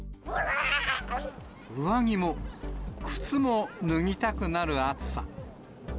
上着も、靴も脱ぎたくなる暑さ。